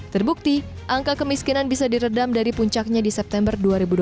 terbukti angka kemiskinan bisa diredam dari puncaknya di september dua ribu dua puluh